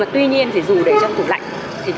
tuy nhiên dù đầy trong thủ lạnh